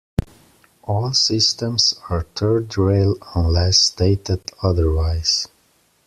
All systems are third rail unless stated otherwise.